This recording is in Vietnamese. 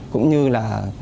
cũng như là